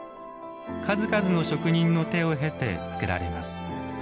数々の職人の手を経て作られます。